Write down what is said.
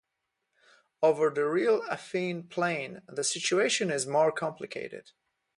Over the real affine plane the situation is more complicated.